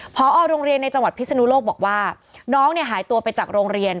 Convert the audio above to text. พอโรงเรียนในจังหวัดพิศนุโลกบอกว่าน้องเนี่ยหายตัวไปจากโรงเรียน